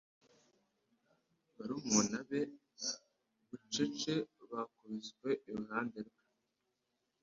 barumuna be bucece bakubiswe iruhande rwe